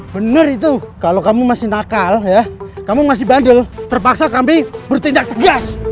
benar itu kalau kamu masih nakal ya kamu masih bandel terpaksa kami bertindak tegas